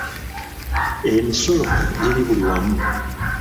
Emisolo giri buli wamu.